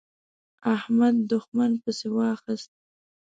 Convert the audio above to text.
احمد؛ دوښمن پسې واخيست.